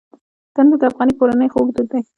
تنور د افغاني کورنۍ خوږ دود دی